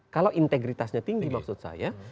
kalau integritasnya tinggi maksud saya